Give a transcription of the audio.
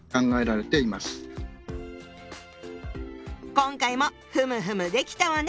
今回もふむふむできたわね！